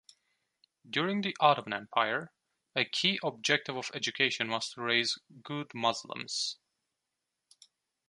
During the Ottoman Empire, a key objective of education was to raise 'good Muslims'.